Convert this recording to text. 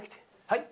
はい？